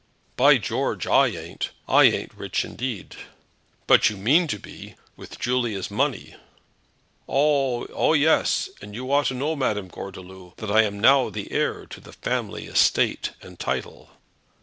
"By George, I ain't. I ain't rich, indeed." "But you mean to be with Julie's money?" "Oh ah yes; and you ought to know, Madame Gordeloup, that I am now the heir to the family estate and title."